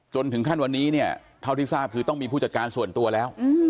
จนถึงขั้นวันนี้เนี่ยเท่าที่ทราบคือต้องมีผู้จัดการส่วนตัวแล้ว